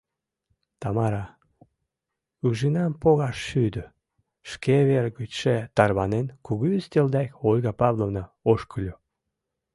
— Тамара, ужиным погаш шӱдӧ, — шке вер гычше тарванен, кугу ӱстел дек Ольга Павловна ошкыльо.